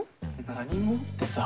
「何も」ってさ。